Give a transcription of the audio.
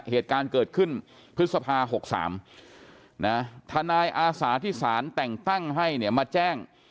เหตุการณ์เกิดขึ้นพฤษภา๖๓ทนายอาสาที่สารแต่งตั้งให้เนี่ยมาแจ้ง